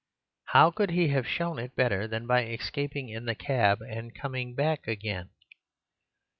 How could he have shown it better than by escaping in the cab and coming back again?